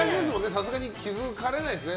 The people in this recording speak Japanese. さすがに気づかれないですよね。